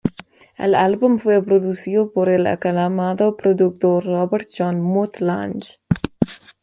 El álbum fue producido por el aclamado productor Robert John "Mutt" Lange.